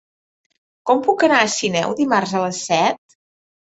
Com puc anar a Sineu dimarts a les set?